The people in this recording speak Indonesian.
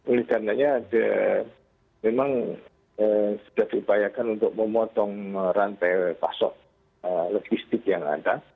ini karena ada memang sudah diupayakan untuk memotong rantai pasok logistik yang ada